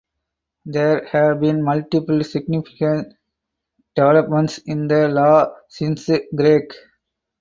There have been multiple significant developments in the law since Craig.